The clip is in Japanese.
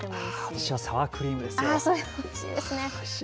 私はサワークリームです。